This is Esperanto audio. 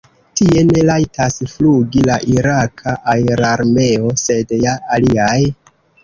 Tie ne rajtas flugi la iraka aerarmeo, sed ja aliaj.